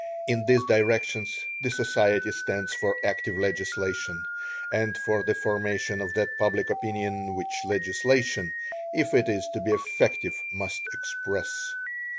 In these directions the Society stands for active legislation, and for the formation of that public opinion which legislation, if it is to be effective, must express.